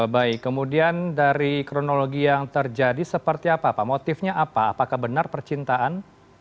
baik kemudian dari kronologi yang terjadi seperti apa pak motifnya apa apakah benar percintaan